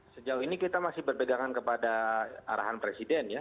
sejauh ini kita masih berpegangan kepada arahan presiden ya